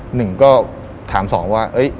หนึ่งก็ถามสองว่า